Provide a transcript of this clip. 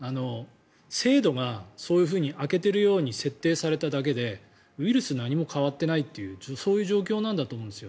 制度が明けているように設定されただけでウイルスは何も変わっていないというそういう状況なんだと思うんです。